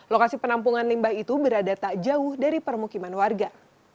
lokasi penampungan limbah itu berada tak jauh dari permukiman warga